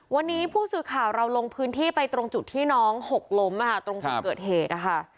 วันนี้ผู้สื่อข่าวเราลงพื้นที่ไปตรงจุดที่น้องหกล้มตรงจุดเกิดเหตุนะคะ